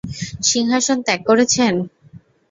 সিংহাসন ত্যাগ করেছেন?